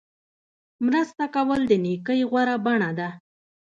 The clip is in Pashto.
مرسته کول د نیکۍ غوره بڼه ده.